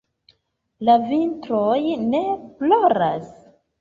la vintroj ne ploras?